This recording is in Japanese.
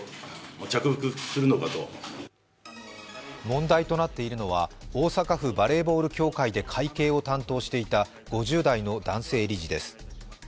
問題となっているのは大阪府バレーボール協会で会計を担当していた５０代の男性理事です。